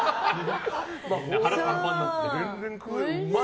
みんな腹パンパンになって。